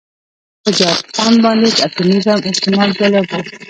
په جاپان باندې د اتومي بم استعمال جالب و